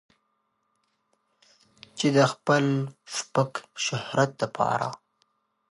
چې د خپل سپک شهرت د پاره